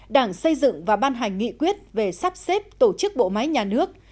đảng xây dựng và ban hành nghị quyết về sắp xếp tổ chức bộ máy nhà nước